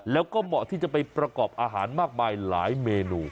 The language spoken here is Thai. แล้วก็เหมาะที่จะไปประกอบอาหารมากมายหลายเมนู